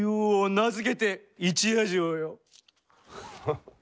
名付けて一夜城よ。